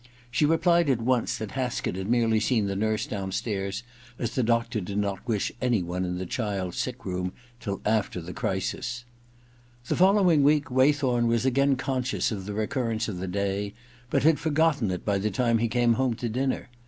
She replied at once that Haskett had merely seen the nurse downstairs, as the doctor did not K III THE OTHER TWO 57 wish any one in the child's sick room till after the crisis. The following week Waythorn was again conscious of the recurrence of the day, but had forgotten it by the time he came home to dinner.